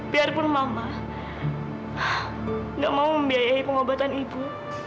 biarpun mama gak mau membiayai pengobatan ibu